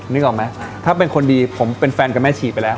นึกออกไหมถ้าเป็นคนดีผมเป็นแฟนกับแม่ชีไปแล้ว